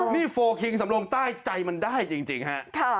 นี่โฟลคิงสำรงใต้ใจมันได้จริงฮะ